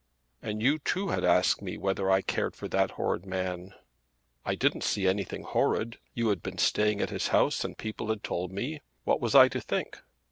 "And you too had asked me whether I cared for that horrid man." "I didn't see anything horrid. You had been staying at his house and people had told me. What was I to think?"